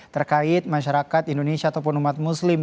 terkait masyarakat indonesia ataupun umat muslim